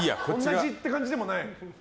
同じって感じでもない？